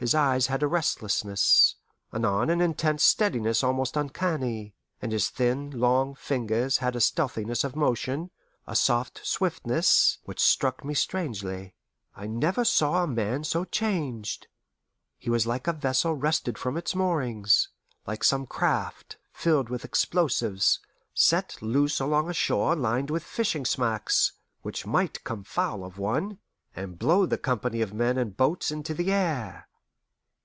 His eyes had a restlessness, anon an intense steadiness almost uncanny, and his thin, long fingers had a stealthiness of motion, a soft swiftness, which struck me strangely. I never saw a man so changed. He was like a vessel wrested from its moorings; like some craft, filled with explosives, set loose along a shore lined with fishing smacks, which might come foul of one, and blow the company of men and boats into the air.